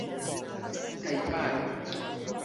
tajpado